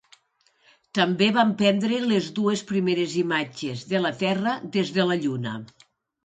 També van prendre les dues primeres imatges de la Terra des de la Lluna.